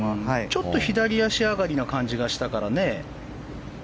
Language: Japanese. ちょっと左足上がりな感じがしたからね。